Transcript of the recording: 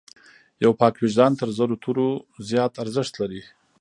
یو پاک وجدان تر زرو تورو زیات ارزښت لري.